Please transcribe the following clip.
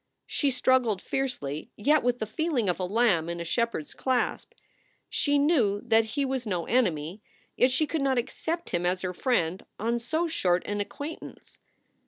She struggled fiercely, yet with the feeling of a lamb in a shepherd s clasp. She knew that he was no enemy, yet she could not accept him as her friend on so short an acquaint ance.